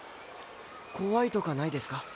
怖いとかないですか？